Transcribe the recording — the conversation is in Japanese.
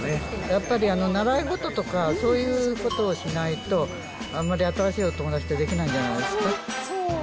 やっぱり、習い事とか、そういうことをしないと、あんまり新しいお友達ってできないんじゃないんですか。